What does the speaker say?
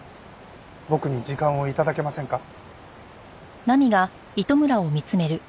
僕に時間を頂けませんか？